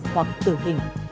hoặc là tù trung thân